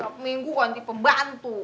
tiap minggu ganti pembantu